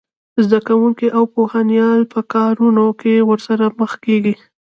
زده کوونکي او پوهنپال په کارونه کې ورسره مخ کېږي